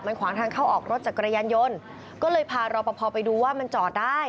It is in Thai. ขวางทางเข้าออกรถจักรยานยนต์ก็เลยพารอปภไปดูว่ามันจอดได้